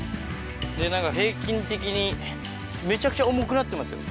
なんか平均的に、めちゃくちゃ重くなってますよ。